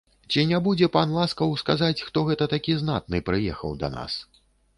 Ці не будзе пан ласкаў сказаць, хто гэта такі знатны прыехаў да нас?